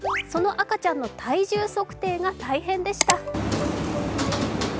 その赤ちゃんの体重測定が大変でした。